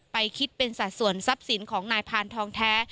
คิดเป็นสัดส่วนทรัพย์สินของนายพานทองแท้